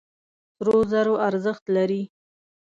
سرو زرو ارزښت لري.